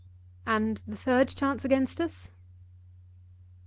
"And the third chance against us?"